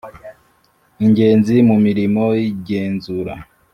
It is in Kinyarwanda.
ingenzi mu mirimo y igenzura